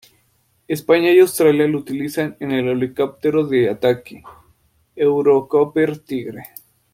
España y Australia lo utilizan en el helicóptero de ataque Eurocopter Tigre.